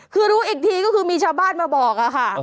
คือรู้อีกทีก็คือมีชาวบ้านมาบอกค่ะ